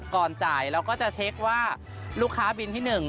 ก่อนจ่ายเราก็จะเช็คว่าลูกค้าบินที่๑